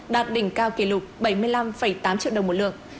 đạt đỉnh cao kỷ lục bảy mươi năm tám triệu đồng một lượng